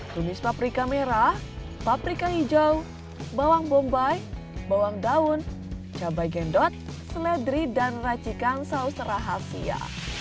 tumis paprika merah paprika hijau bawang bombay bawang daun cabai gendot seledri dan racikan saus rahasia